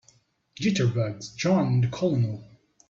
Jitterbugs JOHN and the COLONEL.